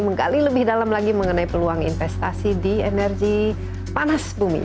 menggali lebih dalam lagi mengenai peluang investasi di energi panas bumi